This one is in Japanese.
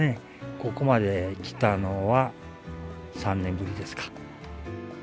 ここまで来たのは３年ぶりですか。